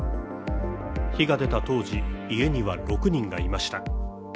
火が出た当時、家には６人がいました。